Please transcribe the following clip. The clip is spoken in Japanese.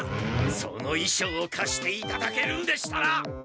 そのいしょうをかしていただけるんでしたら。